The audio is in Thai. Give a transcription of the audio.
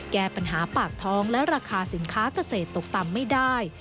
แก้ปัญหาปากท้องและราคาสินค้าเกษตรตกต่ำไม่ได้